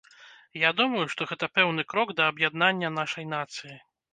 Я думаю, што гэта пэўны крок да аб'яднання нашай нацыі.